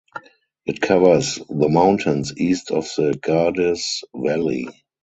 It covers the mountains east of the Gardez valley.